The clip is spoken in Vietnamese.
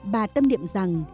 bà tâm niệm rằng